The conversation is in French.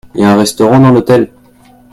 Il y a un restaurant dans l'hôtel ?